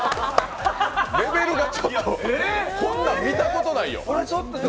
レベルがちょっとこんなん見たことないよ。